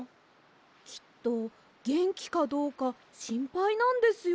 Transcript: きっとげんきかどうかしんぱいなんですよ。